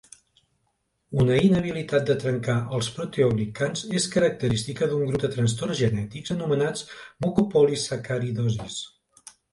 Una inhabilitat de trencar els proteoglicans és característica d'un grup de trastorns genètics, anomenats mucopolisacaridosis.